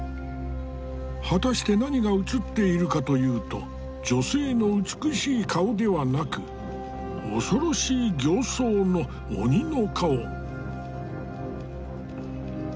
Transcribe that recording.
果たして何が映っているかというと女性の美しい顔ではなく恐ろしい形相の鬼の顔。